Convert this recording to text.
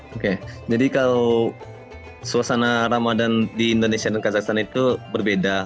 oke jadi kalau suasana ramadan di indonesia dan kazahstan itu berbeda